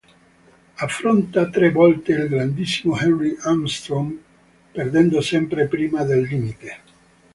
Affronta tre volte il grandissimo Henry Armstrong perdendo sempre prima del limite.